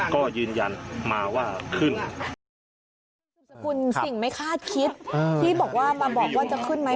ก็ยืนยันมาว่าขึ้นนามสกุลสิ่งไม่คาดคิดที่บอกว่ามาบอกว่าจะขึ้นไหม